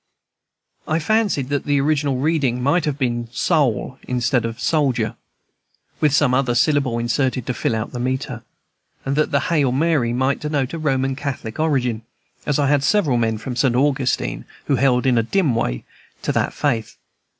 I fancied that the original reading might have been "soul," instead of "soldier," with some other syllable inserted to fill out the metre, and that the "Hail, Mary," might denote a Roman Catholic origin, as I had several men from St. Augustine who held in a dim way to that faith.